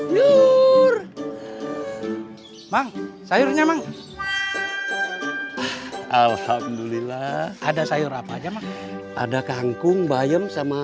yur mang sayurnya meng alhamdulillah ada sayur apa aja ada kangkung bayam sama